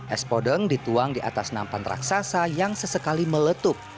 es podeng dituang di atas nampan raksasa yang sesekali meletup